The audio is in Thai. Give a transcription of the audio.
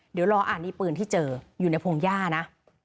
เดี๋ยวรออ่านนี่ปืนที่เจออยู่ในพงหญ้านะ